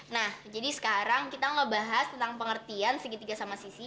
nah jadi sekarang kita ngebahas tentang pengertian segitiga sama sisi